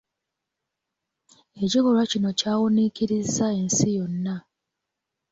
Ekikolwa kino kyawuniikirizza ensi yonna.